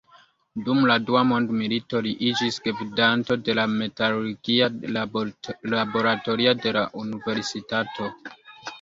Dum la dua mondmilito, li iĝis gvidanto de la metalurgia laboratorio de la universitato.